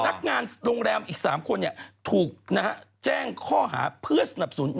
นักงานโรงแรมอีก๓คนถูกแจ้งข้อหาเพื่อสนับสนุน